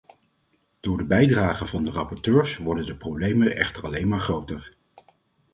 Door de bijdragen van de rapporteurs worden de problemen echter alleen maar groter.